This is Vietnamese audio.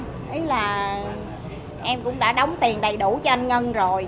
thấy là em cũng đã đóng tiền đầy đủ cho anh ngân rồi